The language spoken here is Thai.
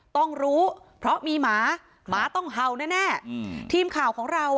ต้องรู้เพราะมีหมาหมาต้องเห่าแน่แน่อืมทีมข่าวของเราอ่ะ